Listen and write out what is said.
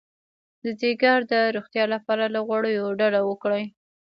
د ځیګر د روغتیا لپاره له غوړو ډډه وکړئ